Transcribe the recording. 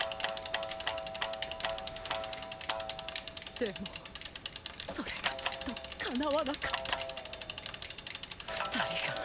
「でもそれがずっとかなわなかった２人が」